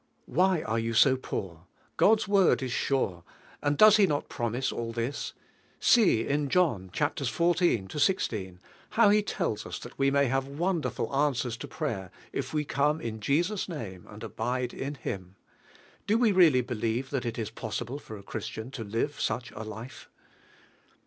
Why are you ao poor? God's Word is sore, oiid iloes He not promise all this? Woe in John, chapters M to 16, how He tells us iliol we may have wonderful answers to prayer if we , oliie ill Jesus' na and abide in ITiin. Do we really believe thai it is possible for a Christian to live such a lite?